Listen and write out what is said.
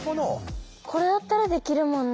これだったらできるもんね。